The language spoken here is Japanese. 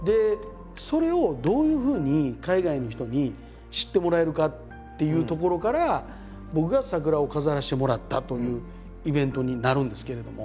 それをどういうふうに海外の人に知ってもらえるかっていうところから僕が桜を飾らせてもらったというイベントになるんですけれども。